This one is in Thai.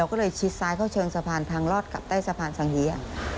ก็เลยชิดซ้ายเข้าเชิงสะพานทางลอดกลับใต้สะพานสังเยีย